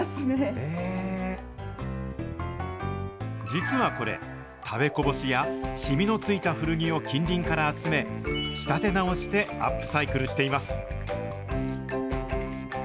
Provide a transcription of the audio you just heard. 実はこれ、食べこぼしや、染みのついた古着を近隣から集め、仕立て直してアップサイクルしています。